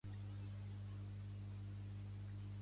Inclou arbres, arbusts, herbes, o lianes.